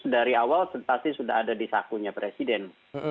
dari awal pasti sudah ada di sakunya presiden